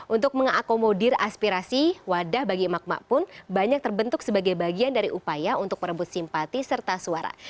untuk mengakomodir aspirasi wadah bagi emak emak pun banyak terbentuk sebagai bagian dari upaya untuk merebut simpati serta suara